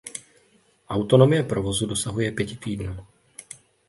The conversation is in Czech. Autonomie provozu dosahuje pěti týdnů.